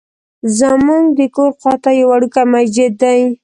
زمونږ د کور خواته یو وړوکی مسجد دی.